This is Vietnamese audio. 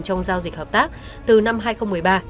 trong giao dịch hợp tác từ năm hai nghìn một mươi ba